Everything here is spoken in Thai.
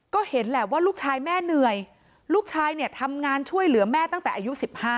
ก็เห็นแหละว่าลูกชายแม่เหนื่อยลูกชายเนี่ยทำงานช่วยเหลือแม่ตั้งแต่อายุ๑๕